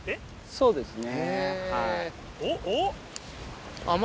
そうですね。